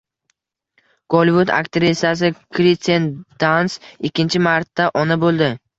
Gollivud aktrisasi Kirsten Danst ikkinchi marta ona bo‘ldi